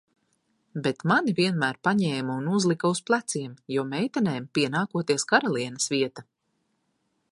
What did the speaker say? Bet mani vienmēr paņēma un uzlika uz pleciem, jo meitenēm pienākoties karalienes vieta.